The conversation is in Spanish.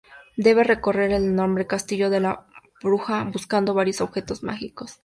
Debe recorrer el enorme castillo de la bruja buscando varios objetos mágicos.